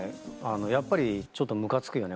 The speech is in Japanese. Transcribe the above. やっぱりちょっとムカつくよね